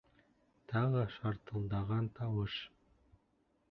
Тағы шартылдаған тауыш.